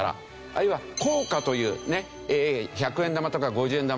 あるいは硬貨という１００円玉とか５０円玉